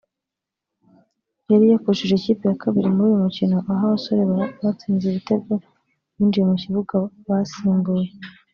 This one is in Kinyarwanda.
yari yakoresheje ikipe ya kabiri muri uyu mukino aho aba basore batsinze ibitego binjiye mu kibuga basimbuye